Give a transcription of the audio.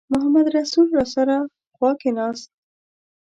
محمدرسول راسره خوا کې کېناست.